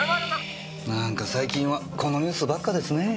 何か最近はこのニュースばっかですね。